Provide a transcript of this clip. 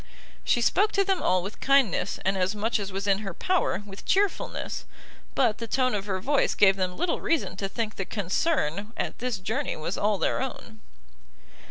She spoke to them all with kindness, and as much as was in her power with chearfulness: but the tone of her voice gave them little reason to think the concern at this journey was all their own.